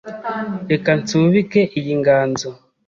Reka nsubike iyi nganzo